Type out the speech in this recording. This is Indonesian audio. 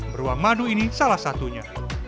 beruang madu ini salah satunya